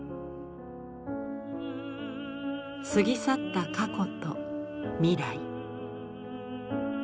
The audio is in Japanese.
過ぎ去った過去と未来。